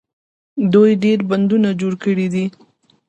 دوی ډیر بندونه جوړ کړي دي.